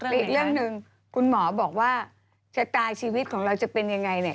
อีกเรื่องหนึ่งคุณหมอบอกว่าชะตาชีวิตของเราจะเป็นยังไงเนี่ย